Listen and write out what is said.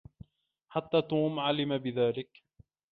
حتى توم علم بذلك.